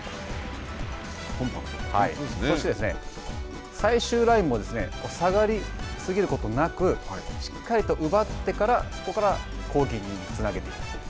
そして、最終ラインも下がりすぎることなく、しっかりと奪ってからそこから攻撃につなげていく。